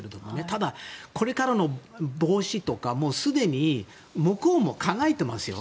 ただ、これからとかすでに向こうも考えていますよ。